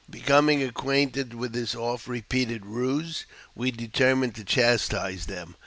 Becoming acquainted with this oft repeated ruse, we determined to chastise them.